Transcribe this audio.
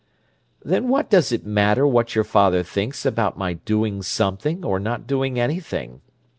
"Then what does it matter what your father thinks about my doing something or not doing anything?